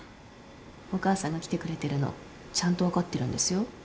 お母さんが来てくれてるのちゃんと分かってるんですよ。